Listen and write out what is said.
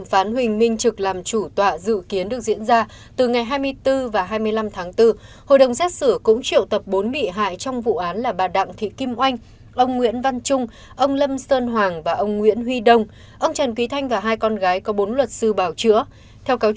hãy nhớ like share và đăng ký kênh của chúng mình nhé